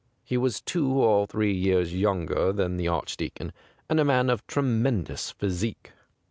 He was two or three years younger than the 168 THE GRAY CAT Archdeacon, and a man of tremen dous physique.